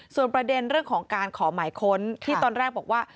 ส่วนประเด็นเรื่องของการขอหมายค้นที่ตอนแรกบอกว่า